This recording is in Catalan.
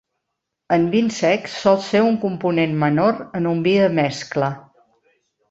En els vins secs sol ser un component menor en un vi de mescla.